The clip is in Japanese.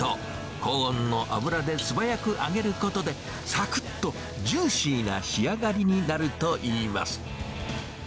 高温の油で素早く揚げることで、さくっとジューシーな仕上がりになるといいます。